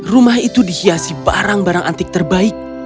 rumah itu dihiasi barang barang antik terbaik